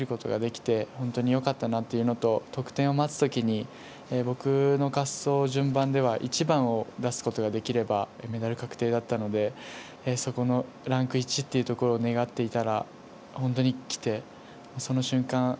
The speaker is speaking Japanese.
本当に最後まで滑りきることができて本当によかったなというのと得点を待つときに僕の滑走順番では１番を出すことができればメダル確定だったのでそこのランク１というところを願っていたら本当に来てその瞬間